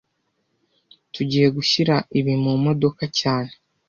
Tugiye gushyira ibi mumodoka cyane